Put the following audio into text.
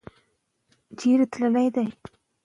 اسلام منع نه کوي.